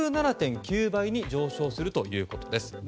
６７．９倍に上昇するということです。